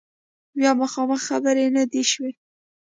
بیا مخامخ خبرې نه دي شوي